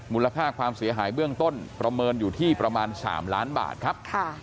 มูลค่าความเสียหายเบื้องต้นประเมินอยู่ที่ประมาณ๓ล้านบาทครับ